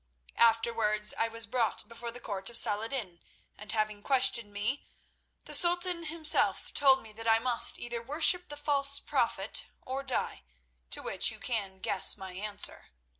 Afterwards I was brought before the court of Saladin, and having questioned me, the Sultan himself told me that I must either worship the false prophet or die, to which you can guess my answer.